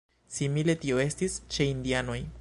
Simile tio estis ĉe indianoj.